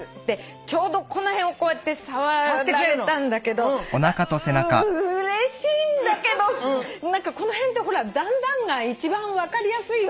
ちょうどこの辺をこうやって触られたんだけどうれしいんだけど何かこの辺ってほら段々が一番分かりやすい。